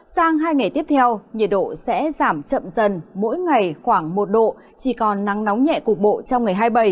sang hai ngày tiếp theo nhiệt độ sẽ giảm chậm dần mỗi ngày khoảng một độ chỉ còn nắng nóng nhẹ cục bộ trong ngày hai mươi bảy